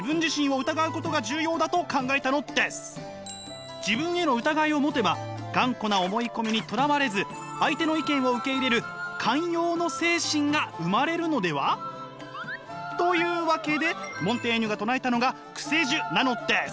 モンテーニュはまず自分への疑いを持てば頑固な思い込みにとらわれず相手の意見を受け入れる寛容の精神が生まれるのでは？というわけでモンテーニュが唱えたのがクセジュなのです。